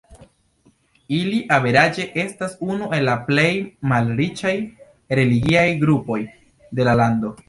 Ili averaĝe estas unu el la plej malriĉaj religiaj grupoj de la lando.